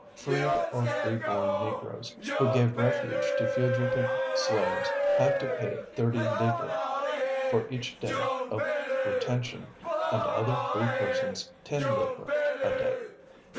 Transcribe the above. Freed or free born Negroes who gave refuge to fugitive slaves had to pay 30 livres for each day of retention and other free persons 10 livres a day.